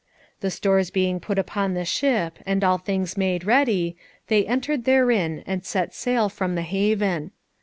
The stores being put upon the ship and all things made ready, they entered therein and set sail from the haven.